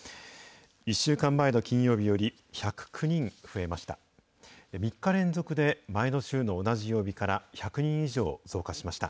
１週間前の金曜日より１０９人増えました。